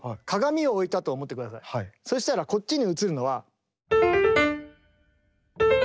そしたらこっちに映るのは。